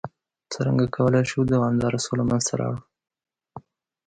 څرنګه کولای شو دوامداره سوله منځته راوړ؟